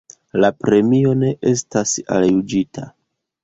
La premio ne estis aljuĝita.